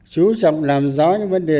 chú trọng làm rõ những vấn đề này